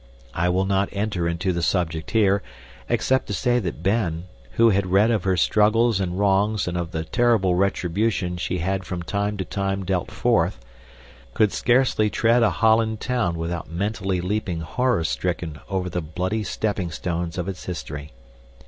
I will not enter into the subject here, except to say that Ben who had read of her struggles and wrongs and of the terrible retribution she had from time to time dealt forth could scarcely tread a Holland town without mentally leaping horror stricken over the bloody stepping stones of its history.